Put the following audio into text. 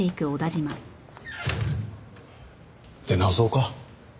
出直そうか。